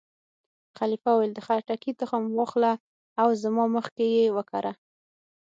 خلیفه وویل: د خټکي تخم وا اخله او زما مخکې یې وکره.